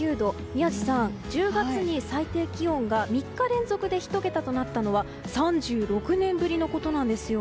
宮司さん、１０月に最低気温が３日連続で１桁となったのは３６年ぶりのことなんですよ。